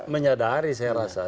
menyadari saya rasa